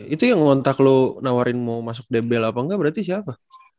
itu yang ngontak lo nawarin mau masuk debel apa enggak berarti siapa